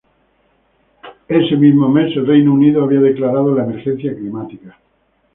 Ese mismo mes el Reino Unido había declarado la emergencia climática.